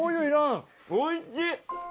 おいしい！